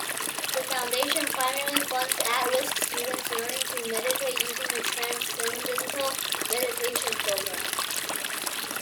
The Foundation primarily funds at-risk students learning to meditate using the Transcendental Meditation program.